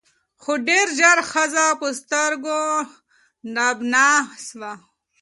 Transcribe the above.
خو ډېر ژر ښځه په سترګو نابینا سوه